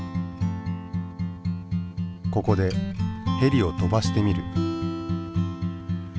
ここでヘリを飛ばしてみる。